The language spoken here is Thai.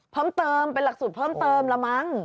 เพิ่มเติมเป็นหลักสูตรเพิ่มเติมละมั้ง